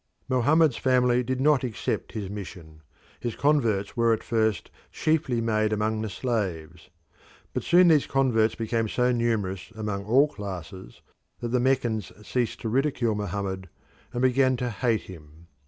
Mohammed's family did not accept his mission: his converts were at first chiefly made among the slaves. But soon these converts became so numerous among all classes that the Meccans ceased to ridicule Mohammed and began to hate him.